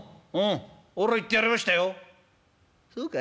「ああ言ってやりましたよ！